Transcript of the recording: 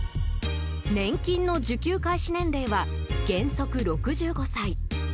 年金の受給開始年齢は原則６５歳。